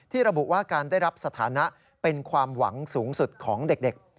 ระบุว่าการได้รับสถานะเป็นความหวังสูงสุดของเด็ก